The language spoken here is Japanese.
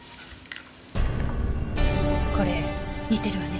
これ似てるわね。